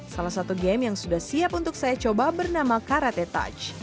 salah satu game yang sudah siap untuk saya coba bernama karate touch